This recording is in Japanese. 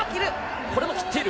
これも切っている。